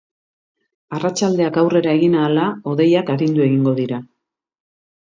Arratsaldeak aurrera egin ahala, hodeiak arindu egingo dira.